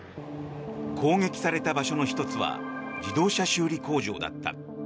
攻撃された場所の１つは自動車修理工場だった。